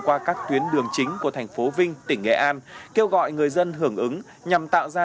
qua các tuyến đường chính của thành phố vinh tỉnh nghệ an kêu gọi người dân hưởng ứng nhằm tạo ra